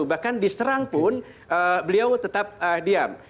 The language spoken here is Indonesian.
bahkan diserang pun beliau tetap diam